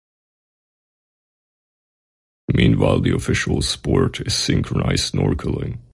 Meanwhile, the official sport is synchronized snorkeling.